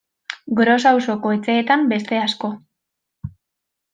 Gros auzoko etxeetan beste asko.